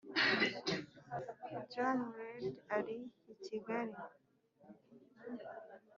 john reddy ari i kigali